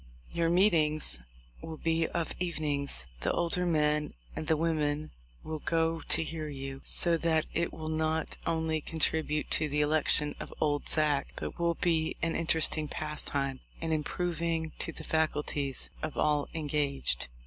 Your meetings will be of evenings; the older men and the women will go to hear you, so that it will not only contribute to the election of 'Old Zack,' but will be an interesting pastime and improving to the faculties of all engaged."